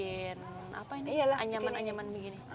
nek berarti setiap tahun ini disini bikin bikin anjaman anyaman begini